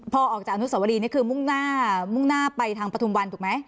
พอออกจากอนุสาวรีนี่คือมุ่งหน้าไปทางปทุมวันถูกไหม